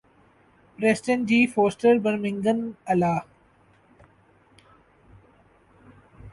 Preston G Foster Birmingham الا